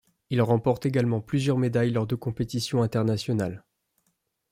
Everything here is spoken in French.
Il remporte également plusieurs médailles lors de compétitions internationales.